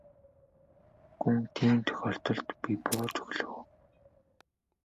Гүн тийм тохиолдолд би бууж өглөө.